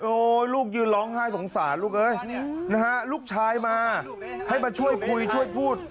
ลูกยืนร้องไห้สงสารลูกเอ้ยนะฮะลูกชายมาให้มาช่วยคุยช่วยพูด